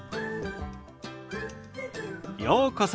ようこそ。